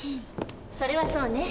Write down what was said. それはそうね。